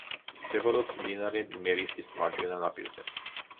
მდებარეობს მდინარე მერისის მარჯვენა ნაპირზე.